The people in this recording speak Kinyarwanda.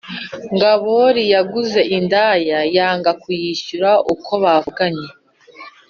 ngabori yaguze indaya yanga kuyishyura uko bavuganye